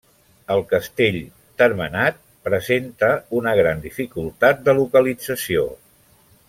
El castell, termenat, presenta una gran dificultat de localització.